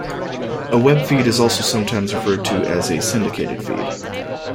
A web feed is also sometimes referred to as a "syndicated feed".